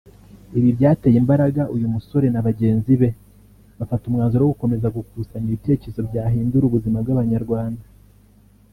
Ibi byateye imbaraga uyu musore na bagenzi be bafata umwanzuro wo gukomeza gukusanya ibitekerezo byahindura ubuzima bw’abanyarwanda